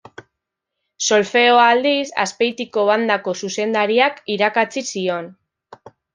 Solfeoa, aldiz, Azpeitiko bandako zuzendariak irakatsi zion.